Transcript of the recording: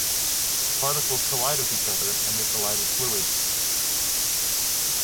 Particles collide with each other, and they collide with fluids.